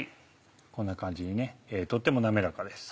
こんな感じにとっても滑らかです。